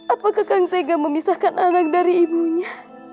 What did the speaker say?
apakah kang tega memisahkan anak dari ibunya